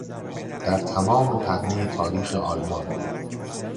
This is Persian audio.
در تمام پهنهی تاریخ آلمان